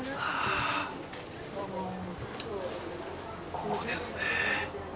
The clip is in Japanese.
ここですね。